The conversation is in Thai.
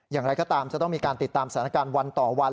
อย่างไรก็ตามจะต้องมีการติดตามสถานการณ์วันต่อวัน